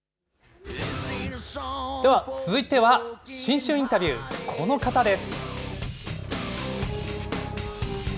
では、続いては新春インタビュー、この方です。